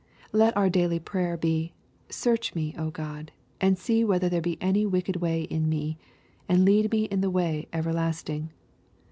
Let our daily prayer be, " Search me, 0 God ;— and see whether there be any wicked way in me, and lead me in the way everlasting."